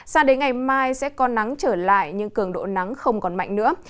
sao đến ngày mai sẽ có nắng trở lại nhưng cường độ nắng không còn mạnh nữa